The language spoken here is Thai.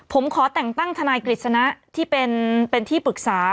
ผมขอแต่งตั้งทนายกฤษณะที่เป็นที่ปรึกษา